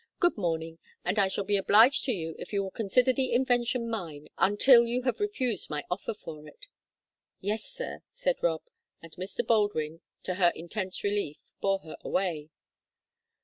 Good morning, and I shall be obliged to you if you will consider the invention mine until you have refused my offer for it." "Yes, sir," said Rob, and Mr. Baldwin, to her intense relief, bore her away.